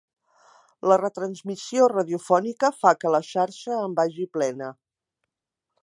La retransmissió radiofònica fa que la xarxa en vagi plena.